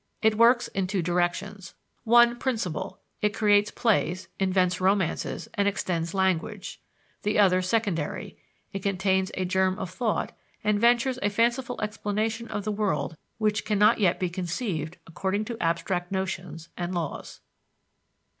It works in two directions, one principal it creates plays, invents romances, and extends language; the other secondary it contains a germ of thought and ventures a fanciful explanation of the world which can not yet be conceived according to abstract notions and laws.